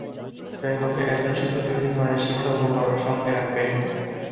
শ্রেণীকক্ষে একজন শিক্ষক বিভিন্ন ধরনের শিক্ষা উপকরণ সঙ্গে রাখবেন।